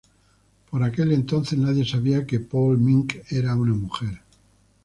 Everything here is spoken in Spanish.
Por entonces nadie sabía que Paule Mink era una mujer.